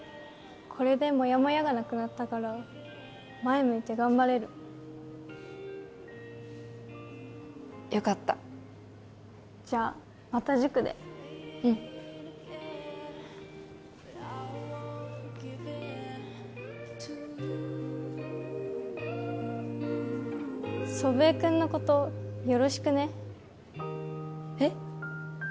これでもやもやがなくなったから前向いて頑張れるよかったじゃあまた塾でうん祖父江君のことよろしくねえっ？